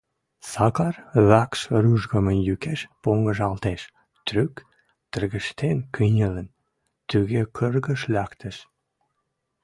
Сакар вӓкш ружгымы юкеш понгыжалтеш, трӱк тӹргештен кӹньӹлӹн, тӱгӹ кыргыж лӓктеш.